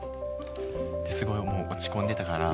すごいもう落ち込んでたから。